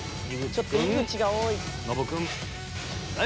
ちょっと井口が多い。